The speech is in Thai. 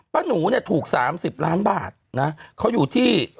ป๊ะหนูถูก๓๐ล้านบาท